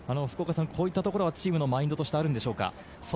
こういったところはチームのマインドとしてあるんでしょうか。